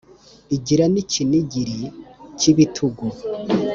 igira n’ icyinigiri cy’ ibitugu,